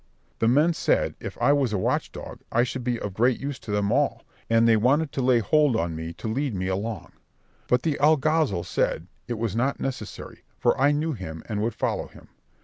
The men said, if I was a watch dog, I should be of great use to them all, and they wanted to lay hold on me to lead me along; but the alguazil said, it was not necessary, for I knew him, and would follow him.